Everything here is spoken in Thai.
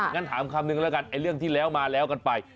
งั้นถามคำนึงแล้วกันเรื่องที่แล้วมาแล้วกันไป